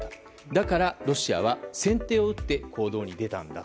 だからロシアは先手を打って行動に出たんだ。